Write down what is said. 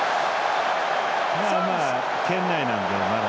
圏内なんで、まだ。